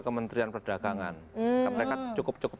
kementerian perdagangan mereka cukup